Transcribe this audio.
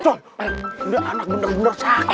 co ini anak bener bener sakti